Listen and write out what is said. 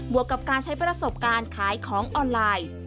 วกกับการใช้ประสบการณ์ขายของออนไลน์